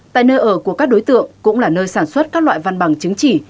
tại nơi ở của các đối tượng cũng là nơi sản xuất các loại văn bằng chứng chỉ